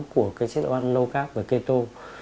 của cái chế độ ăn low carb và keto